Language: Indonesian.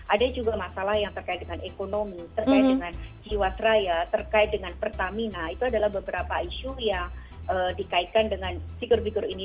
ada juga masalah yang terkait dengan ekonomi terkait dengan jiwasraya terkait dengan pertamina itu adalah beberapa isu yang dikaitkan dengan figur figur ini